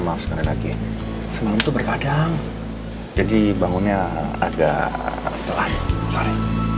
maaf sekali lagi semalam tuh berkadang jadi bangunnya agak telat sorry